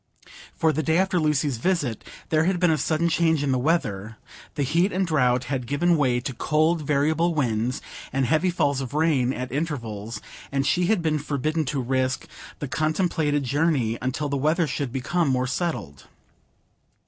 For the day after Lucy's visit there had been a sudden change in the weather; the heat and drought had given way to cold variable winds, and heavy falls of rain at intervals; and she had been forbidden to risk the contemplated journey until the weather should become more settled.